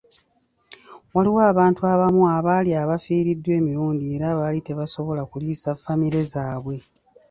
Waliwo abantu abamu abaali abafiiriddwa emirimu era baali tebasobola kuliisa famire zaabwe.